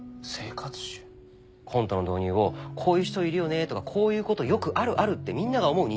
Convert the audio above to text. コントの導入を「こういう人いるよね」とか「こういうことよくあるある」ってみんなが思う日常から入ってよ。